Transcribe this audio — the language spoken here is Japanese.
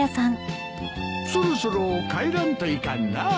そろそろ帰らんといかんな。